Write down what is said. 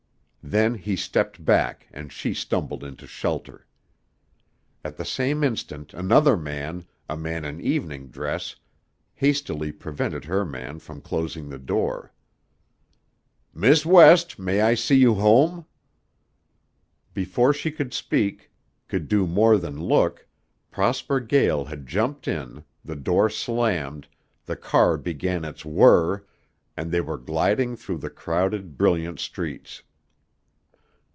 Then he stepped back and she stumbled into shelter. At the same instant another man a man in evening dress hastily prevented her man from closing the door. "Miss West, may I see you home?" Before she could speak, could do more than look, Prosper Gael had jumped in, the door slammed, the car began its whirr, and they were gliding through the crowded, brilliant streets.